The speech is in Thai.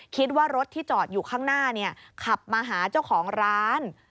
คิดว่ารถที่จอดอยู่ข้างหน้าขับมาหาเจ้าของร้าน